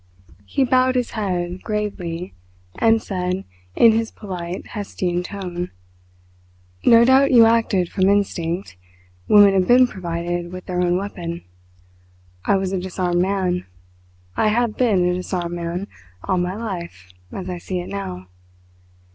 He bowed his head gravely, and said in his polite. Heystian tone: "No doubt you acted from instinct. Women have been provided with their own weapon. I was a disarmed man, I have been a disarmed man all my life as I see it now.